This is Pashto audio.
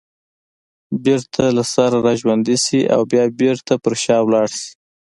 بېرته له سره راژوندي شي او بیا بېرته پر شا لاړ شي